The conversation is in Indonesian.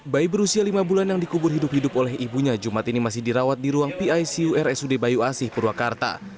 bayi berusia lima bulan yang dikubur hidup hidup oleh ibunya jumat ini masih dirawat di ruang picu rsud bayu asih purwakarta